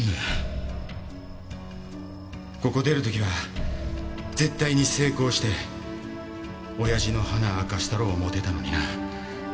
ここ出る時は絶対に成功して親父の鼻明かしたろう思てたのにな。